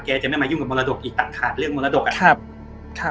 แกจะไม่มายุ่งกับมรดกอีกแต่ขาดเรื่องมรดกอ่ะครับครับ